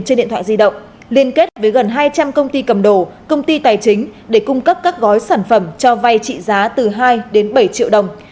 trên điện thoại di động liên kết với gần hai trăm linh công ty cầm đồ công ty tài chính để cung cấp các gói sản phẩm cho vay trị giá từ hai đến bảy triệu đồng